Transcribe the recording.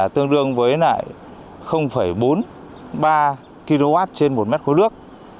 tương đương với bốn mươi ba kw trên một m khối nước